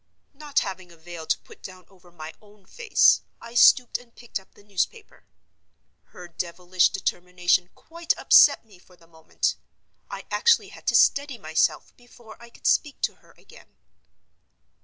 Not having a veil to put down over my own face, I stooped and picked up the newspaper. Her devilish determination quite upset me for the moment. I actually had to steady myself before I could speak to her again.